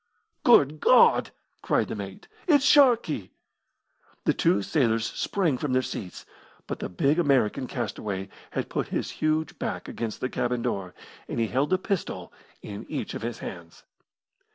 "Good God!" cried the mate. "It's Sharkey!" The two sailors sprang from their seats, but the big American castaway had put his huge back against the cabin door, and he held a pistol in each of his hands.